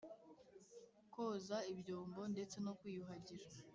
koza ibyombo ndetse no kwiyuhagira.